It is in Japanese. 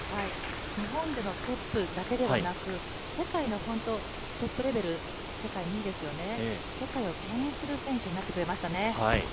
日本でのトップだけではなく、世界の本当、トップレベル、世界２位ですよね、世界をけん引する選手になってくれましたね。